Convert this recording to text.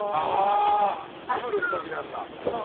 バブルの時なんだ。